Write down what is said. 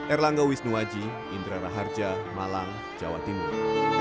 erlangga wisnuwaji indra raharja malang jawa timur